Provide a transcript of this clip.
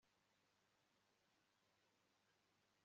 nta kintu na kimwe cyakozwe kuri ibyo